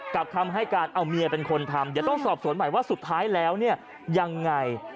คำให้การเอาเมียเป็นคนทำเดี๋ยวต้องสอบสวนใหม่ว่าสุดท้ายแล้วเนี่ยยังไง